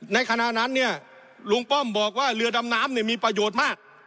ขณะนั้นเนี่ยลุงป้อมบอกว่าเรือดำน้ำเนี่ยมีประโยชน์มาก